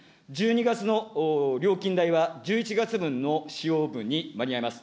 １２月の料金代は、１１月分の使用分に間に合います。